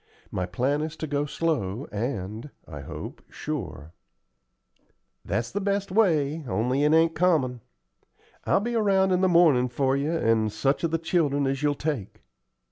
My plan is to go slow, and, I hope, sure." "That's the best way, only it ain't common. I'll be around in the mornin' for you and such of the children as you'll take."